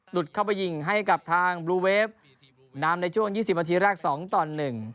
เข้าไปยิงให้กับทางบลูเวฟนำในช่วง๒๐นาทีแรกสองต่อหนึ่ง